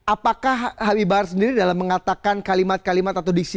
apakah habib bahar sendiri dalam mengatakan kalimat kalimat atau diksi